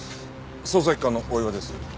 捜査一課の大岩です。